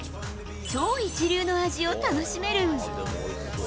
超一流の味を楽しめる。